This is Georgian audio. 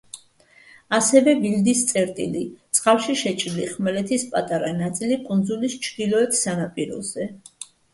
ასევე ვილდის წერტილი, წყალში შეჭრილი ხმელეთის პატარა ნაწილი კუნძულის ჩრდილოეთ სანაპიროზე.